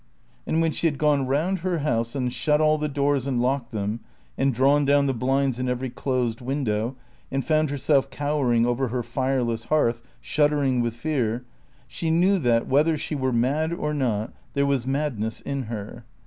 And when she had gone round her house and shut all the doors and locked them, and drawn down the blinds in every closed window, and found herself cowering over her fireless hearth, shuddering with fear, she knew that, whether she were mad or not, there was madness in her.